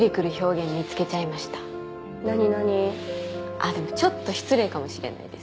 あっでもちょっと失礼かもしれないです。